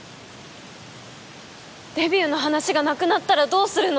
デビューの話が無くなったらどうするの。